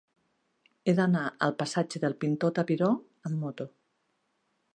He d'anar al passatge del Pintor Tapiró amb moto.